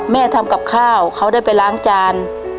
ทำกับข้าวเขาได้ไปล้างจาน